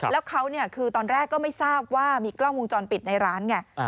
แล้วเขาคือตอนแรกก็ไม่ทราบว่ามีกล้องวงจรปิดในร้านไง